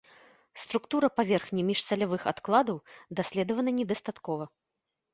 Структура паверхні міжсалявых адкладаў даследавана недастаткова.